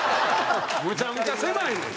むちゃむちゃ狭いで！